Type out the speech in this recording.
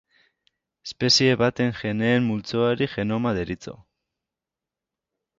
Espezie baten geneen multzoari genoma deritzo.